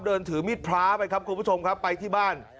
เดินถือมีดพระไปครับคุณผู้ชมครับไปที่บ้าน